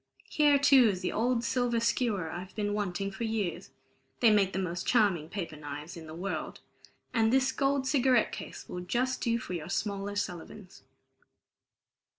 Here, too, is the old silver skewer I've been wanting for years they make the most charming paper knives in the world and this gold cigarette case will just do for your smaller Sullivans."